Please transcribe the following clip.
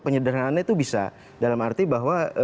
penyederhanaannya itu bisa dalam arti bahwa